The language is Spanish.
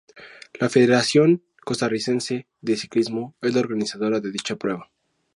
La Federación Costarricense de Ciclismo es la organizadora de dicha prueba.